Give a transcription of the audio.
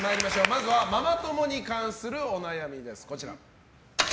まずはママ友に関するお悩みです。